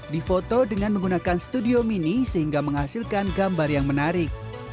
difoto dengan menggunakan studio mini sehingga menghasilkan gambar yang menarik